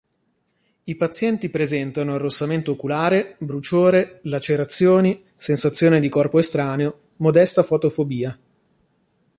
I pazienti presentano arrossamento oculare, bruciore, lacerazioni, sensazione di corpo estraneo, modesta fotofobia.